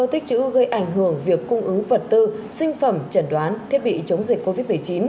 tích chữ gây ảnh hưởng việc cung ứng vật tư sinh phẩm chẩn đoán thiết bị chống dịch covid một mươi chín